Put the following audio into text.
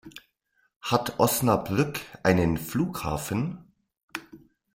Hat Osnabrück einen Flughafen?